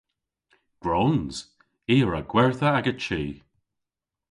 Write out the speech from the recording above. Gwrons. I a wra gwertha aga chi.